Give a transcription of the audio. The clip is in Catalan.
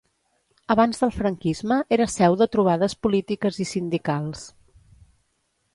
Abans del franquisme era seu de trobades polítiques i sindicals.